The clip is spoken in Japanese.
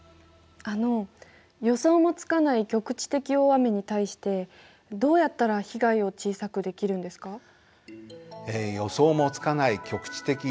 あの予想もつかない局地的大雨に対してどうやったら被害を小さくできるんですか？